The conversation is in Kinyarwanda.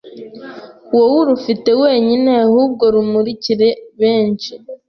wowe urufite wenyine ehubwo rumurikire benshi